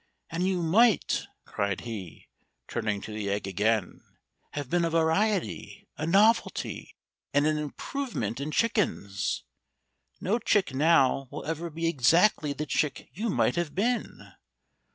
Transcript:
And you might," cried he, turning to the egg again, "have been a Variety, a novelty, and an improvement in chickens. No chick now will ever be exactly the chick you might have been.